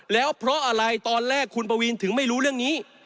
แล้วเพราะอะไรตอนแรกคุณปวีนถึงไม่รู้เรื่องนี้